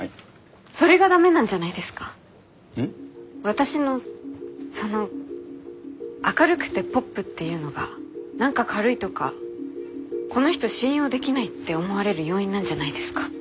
私のその明るくてポップっていうのが何か軽いとかこの人信用できないって思われる要因なんじゃないですか？